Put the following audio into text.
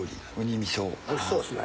おいしそうですね。